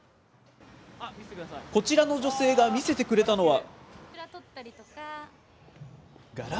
こちらの女性が見せてくれたのは。